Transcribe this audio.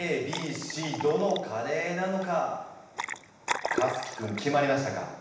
どのカレーなのかかつき君決まりましたか？